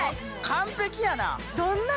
完璧やな！